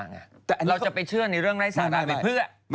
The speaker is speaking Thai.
เราจะไปเชื่อในเรื่องไร้สาระไปเพื่อ